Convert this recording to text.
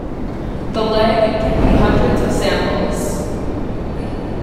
The lag can be hundreds of samples.